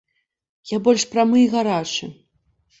Я больш прамы і гарачы.